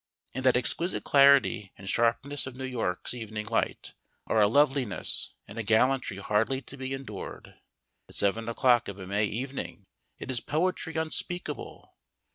In that exquisite clarity and sharpness of New York's evening light are a loveliness and a gallantry hardly to be endured. At seven o'clock of a May evening it is poetry unspeakable.